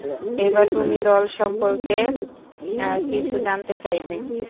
এবার তুমি দল সম্পর্কে কিছু জানতে চাইবে।